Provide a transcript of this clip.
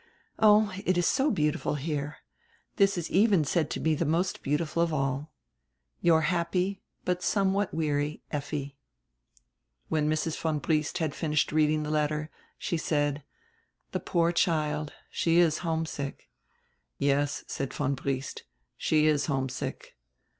Oh, it is so beautiful here. This is even said to be die most beautiful of all. Your happy, but somewhat weary Em." When Mrs. von Briest had finished reading die letter she said: "The poor child. She is homesick." "Yes," said von Briest, "she is homesick.